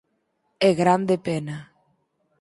É grande pena.